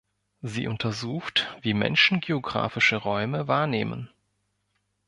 Sie untersucht, wie Menschen geographische Räume wahrnehmen.